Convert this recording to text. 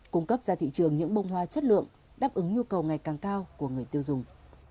cung cấp ra thị trường những bông hoa chất lượng đáp ứng nhu cầu ngày càng cao của người tiêu dùng